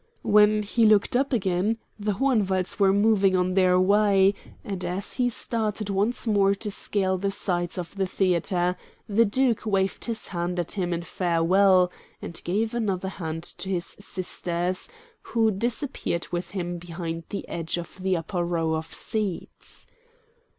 When he looked up again the Hohenwalds were moving on their way, and as he started once more to scale the side of the theatre the Duke waved his hand at him in farewell, and gave another hand to his sisters, who disappeared with him behind the edge of the upper row of seats.